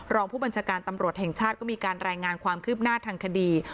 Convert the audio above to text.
รองผู้บัญชาการตำรวจแห่งชาติก็มีการรายงานความคืบหน้าทางคดี